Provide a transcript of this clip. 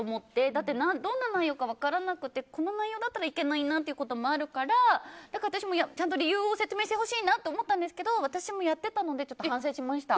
だってどんな内容か分からなくてこの内容だったら行けないなとかもあるから私もちゃんと理由を説明してほしいなと思ってたんですけど私もやってたので反省しました。